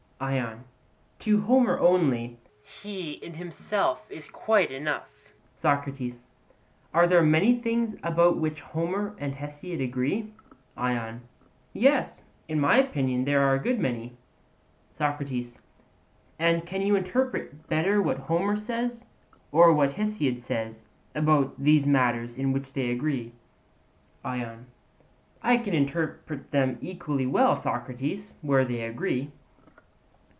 ION: To Homer only; he is in himself quite enough. SOCRATES: Are there any things about which Homer and Hesiod agree? ION: Yes; in my opinion there are a good many. SOCRATES: And can you interpret better what Homer says, or what Hesiod says, about these matters in which they agree? ION: I can interpret them equally well, Socrates, where they agree.